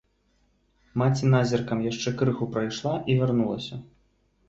Маці назіркам яшчэ крыху прайшла і вярнулася.